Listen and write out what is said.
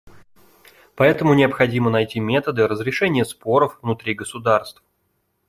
Поэтому необходимо найти методы разрешения споров внутри государств.